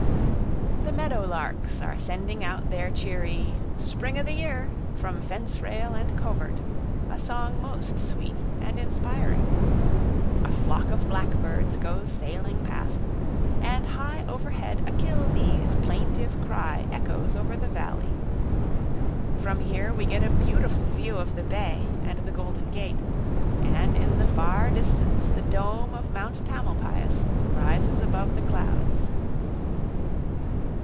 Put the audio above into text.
The meadow larks are sending out their cheery "Spring o' the year" from fence rail and covert, a song most sweet and inspiring. A flock of blackbirds goes sailing past, and high overhead a killdee's plaintive cry echoes over the valley. From here we get a beautiful view of the bay and the Golden Gate, and in the far distance the dome of Mount Tamalpais rises above the clouds.